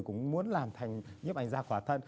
cũng muốn làm thành nhếp ảnh da khỏa thân